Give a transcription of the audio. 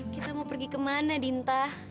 kita mau pergi ke mana dinta